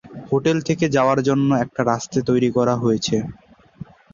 Hotel থেকে যাওয়ার জন্য একটি রাস্তা তৈরি করা হয়েছে।